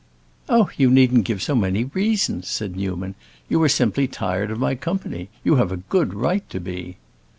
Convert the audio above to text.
"Oh, you needn't give so many reasons," said Newman. "You are simply tired of my company. You have a good right to be."